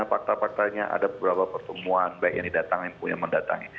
pakta paktanya ada beberapa pertemuan baik yang didatang yang punya mendatang